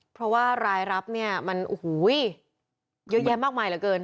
แต่ว่ารายรับเนี่ยมันเยอะแยะมากมายเหลือเกิน